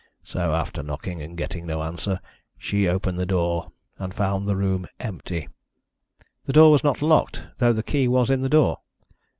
So, after knocking and getting no answer, she opened the door, and found the room empty." "The door was not locked, though the key was in the door?"